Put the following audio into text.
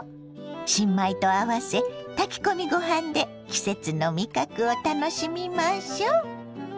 新米と合わせ炊き込みご飯で季節の味覚を楽しみましょ。